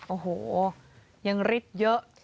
โอ้โหยังริดเยอะ